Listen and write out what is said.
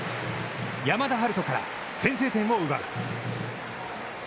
山田陽翔から先制点を奪う。